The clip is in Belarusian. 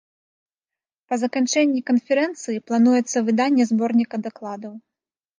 Па заканчэнні канферэнцыі плануецца выданне зборніка дакладаў.